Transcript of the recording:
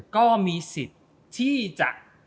ก็มีสิทธิ์ที่จะ